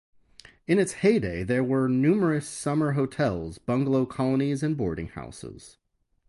In its heyday there were numerous summer hotels, bungalow colonies, and boarding houses.